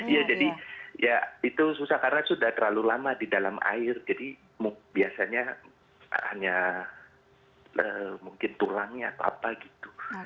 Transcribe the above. iya jadi ya itu susah karena sudah terlalu lama di dalam air jadi biasanya hanya mungkin tulangnya atau apa gitu